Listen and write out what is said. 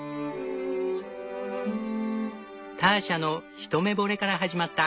ターシャの一目惚れから始まった。